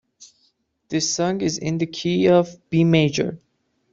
This song is in the key of B major.